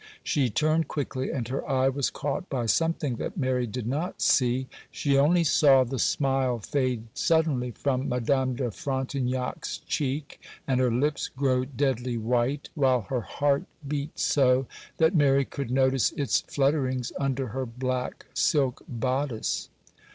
She turned quickly, and her eye was caught by something that Mary did not see; she only saw the smile fade suddenly from Madame de Frontignac's cheek, and her lips grow deadly white, while her heart beat so that Mary could notice its flutterings under her black silk bodice.